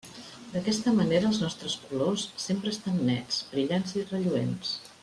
D'aquesta manera els nostres colors sempre estan nets, brillants i relluents.